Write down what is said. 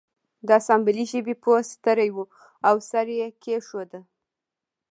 د اسامبلۍ ژبې پوه ستړی و او سر یې کیښود